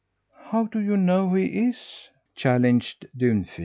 "How do you know he is?" challenged Dunfin.